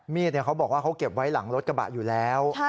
เขาบอกว่าเขาเก็บไว้หลังรถกระบะอยู่แล้ว